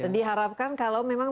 diharapkan kalau memang